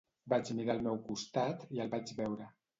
Vaig mirar al meu costat i el vaig veure.